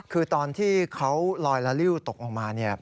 คือตอนที่เขาลอยละลิ้วตกลงมาเนี่ย